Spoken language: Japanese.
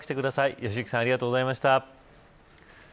良幸さんありがとうございました。